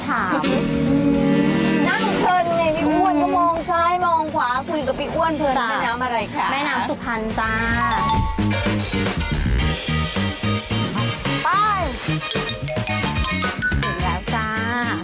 ถึงแล้วจ้า